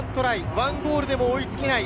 １ゴールでも追いつけない